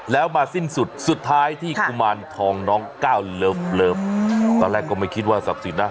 แล้วมาสิ้นสุดสุดท้ายที่กุมารทองน้องก้าวเลิฟตอนแรกก็ไม่คิดว่าศักดิ์สิทธินะ